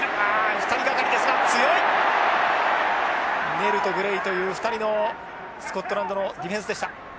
ネルとグレイという２人のスコットランドのディフェンスでした。